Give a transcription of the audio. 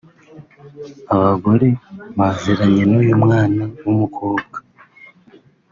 Abagore baziranye n’uyu mwana w’umukobwa